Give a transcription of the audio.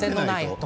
と